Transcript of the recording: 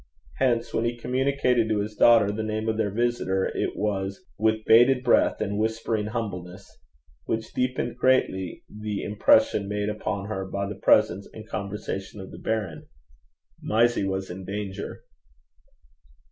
Hence when he communicated to his daughter the name of their visitor, it was 'with bated breath and whispering humbleness,' which deepened greatly the impression made upon her by the presence and conversation of the baron. Mysie was in danger.